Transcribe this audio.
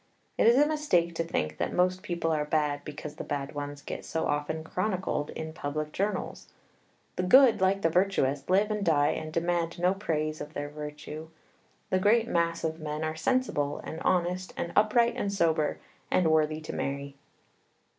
It is a mistake to think that most people are bad because the bad ones get so often chronicled in public journals. The good, like the virtuous, live and die and demand no praise of their virtue. The great mass of men are sensible, and honest and upright and sober, and worthy to marry.